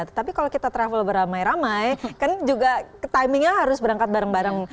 tetapi kalau kita travel beramai ramai kan juga timingnya harus berangkat bareng bareng